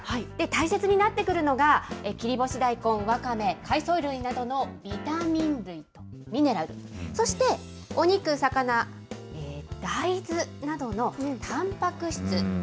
大切になってくるのが、切り干し大根、ワカメ、海藻類などのビタミン類、ミネラル、そしてお肉、魚、大豆などのたんぱく質。